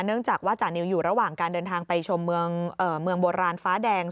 เนื่องจากว่าจานิวอยู่ระหว่างการเดินทางไปชมเมืองโบราณฟ้าแดง